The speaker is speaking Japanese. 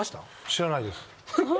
知らないです。